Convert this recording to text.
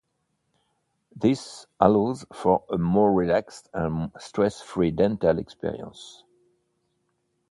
This allows for a more relaxed and stress-free dental experience.